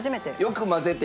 よく混ぜて。